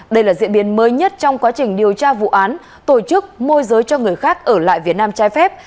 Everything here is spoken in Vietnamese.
đây là diễn biến mới nhất trong quá trình điều tra vụ án tổ chức môi giới cho người khác ở lại việt nam trái phép